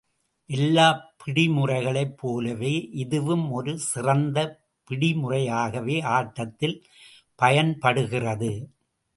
எல்லாப் பிடி முறைகளைப் போலவே, இதுவும் ஒரு சிறந்த பிடிமுறையாகவே ஆட்டத்தில் பயன்படுகிறது.